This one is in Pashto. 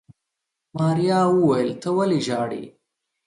ماريا وويل ته ولې ژاړې.